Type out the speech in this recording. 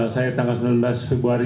saya tanggal sembilan belas februari